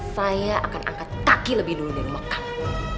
saya akan angkat kaki lebih dulu dari rumah kamu